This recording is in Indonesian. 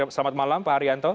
selamat malam pak haryanto